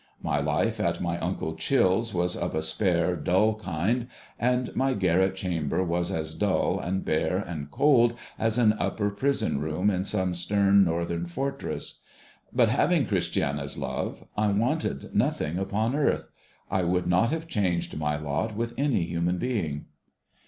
My life at my uncle Chill's was of a spare dull kind, and my garret chamber was as dull, and bare, and cold, as an upper prison room in some stern northern fortress. But, having Christiana's love, I wanted nothing upon earth. I would not have changed my lot with any human being.